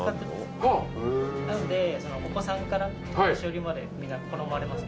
なのでお子さんからお年寄りまでみんな好まれます。